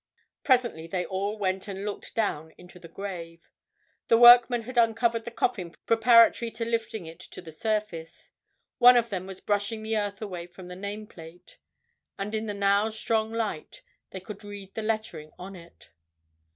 Presently they all went and looked down into the grave. The workmen had uncovered the coffin preparatory to lifting it to the surface; one of them was brushing the earth away from the name plate. And in the now strong light they could all read the lettering on it.